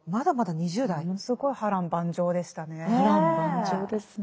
ものすごい波乱万丈でしたね。